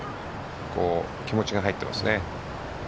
気持ちが入ってますね。